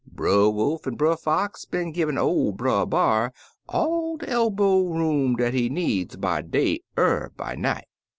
Brer Wolf an' Brer Fox been givin' ol' Brer B'ar all de elbow room dat he needs by day er by night."